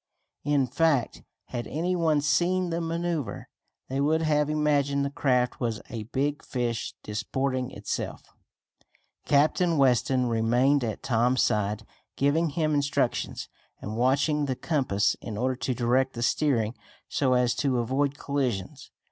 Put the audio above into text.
In fact, had any one seen the maneuver they would have imagined the craft was a big fish disporting itself. Captain Weston remained at Tom's side, giving him instructions, and watching the compass in order to direct the steering so as to avoid collisions.